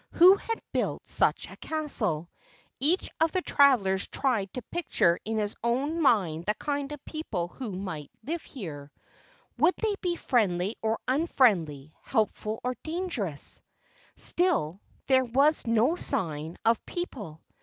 Who had built such a castle? Each of the travelers tried to picture in his own mind the kind of people who might live here. Would they be friendly or unfriendly, helpful or dangerous? Still there was no sign of people.